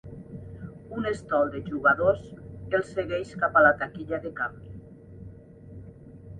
Un estol de jugadors els segueix cap a la taquilla de canvi.